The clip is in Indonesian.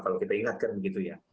kalau kita ingatkan begitu ya